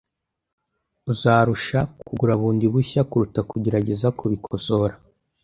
Uzarusha kugura bundi bushya kuruta kugerageza kubikosora .